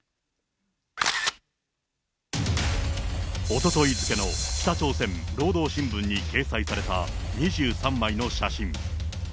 おととい付けの北朝鮮労働新聞に掲載された２３枚の写真。